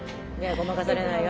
ごまかされないよ。